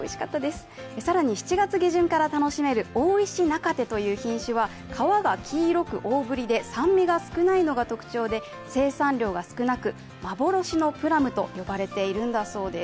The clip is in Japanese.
更に７月下旬から楽しめる大石中生という品種は、皮が黄色く、大ぶりで酸味が少ないのが特徴で、生産量が少なく幻のプラムと呼ばれているんだそうです。